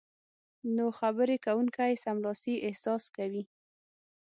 نو خبرې کوونکی سملاسي احساس کوي